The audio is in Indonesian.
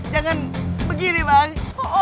jangan begini bang